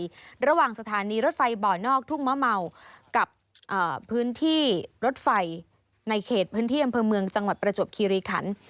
สถานีระหว่างสถานีรถไฟบ่อนอกทุ่งมะเมากับพื้นที่รถไฟในเขตพื้นที่อำเภอเมืองจังหวัดประจวบคีรีขัน